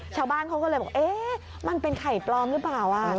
ชาวบ้านเขาก็เลยบอกเอ๊ะมันเป็นไข่ปลอมหรือเปล่า